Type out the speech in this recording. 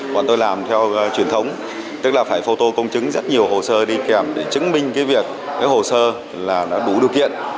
bọn tôi làm theo truyền thống tức là phải phô tô công chứng rất nhiều hồ sơ đi kèm để chứng minh cái việc cái hồ sơ là nó đủ điều kiện